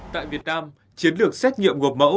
tại việt nam chiến lược xét nghiệm gộp mẫu